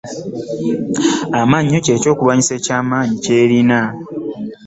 Amannyo ky'ekyokulwanyisa eky'amanyi ky'erina .